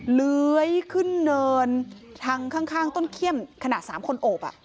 เลื้อยขึ้นเนินทางข้างต้นเขี้ยมขนาด๓คนโอบ